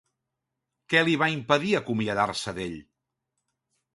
Què li va impedir acomiadar-se d'ell?